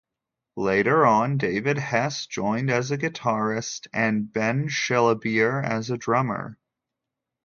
Later on, David Hesse joined as a guitarist, and Ben Shillabeer as a drummer.